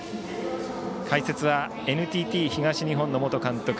解説はＮＴＴ東日本の元監督